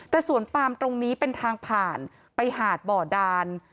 แต่สวนปามตรงนี้เป็นทางผ่านไปหาดบ่อดาน